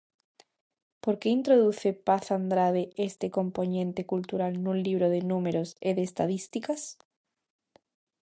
Por que introduce Paz-Andrade este compoñente cultural nun libro de "números" e de estatísticas?